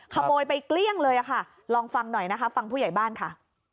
ขโมยไปเกลี้ยงเลยค่ะลองฟังหน่อยนะคะฟังผู้ใหญ่บ้านค่ะ